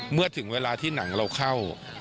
เมื่อถึงเวลาที่หนังเราเข้า